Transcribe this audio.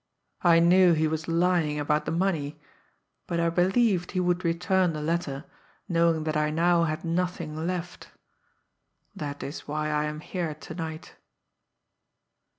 I knew he was lying about the money; but I believed he would return the letter, knowing that I now had nothing left. That is why I am here to night."